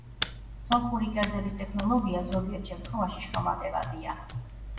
სომხური კერძების ტექნოლოგია ზოგიერთ შემთხვევაში შრომატევადია.